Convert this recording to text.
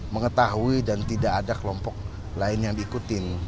mengetahui dan tidak ada kelompok lain yang diikutin